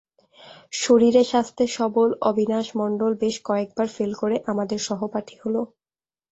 শরীরে-স্বাস্থ্যে সবল অবিনাশ মণ্ডল বেশ কয়েকবার ফেল করে আমাদের সহপাঠী হলো।